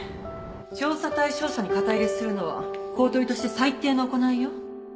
調査対象者に肩入れするのは公取として最低の行いよ